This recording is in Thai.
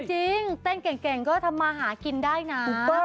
จริงเต้นเก่งก็ทำมาหากินได้นะ